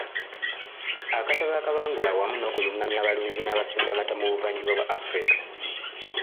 Akatabo akabangula wamu n’okulungamya abalunzi n’abasundamata mu buvanjuba bwa Afirika.